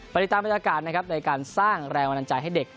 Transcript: ปฏิตาเป็นอาการนะครับในการสร้างแรงวันอันจ่ายให้เด็ก